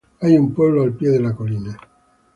Hay un pueblo al pie de la colina.